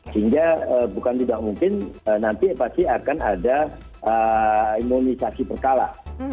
sehingga bukan tidak mungkin nanti pasti akan ada imunisasi berkala